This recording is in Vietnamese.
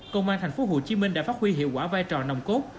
công an tp hcm đã phát huy hiệu quả vai trò nồng cốt